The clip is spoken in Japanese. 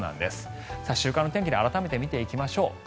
週間天気で改めて見ていきましょう。